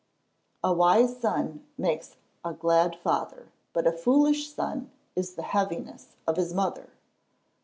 [Verse: "A wise son makes a glad father: but a foolish son is the heaviness of his mother."